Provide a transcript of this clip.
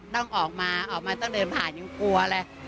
ต้องออกมาออกมาต้องเดินผ่านยังกลัวเลย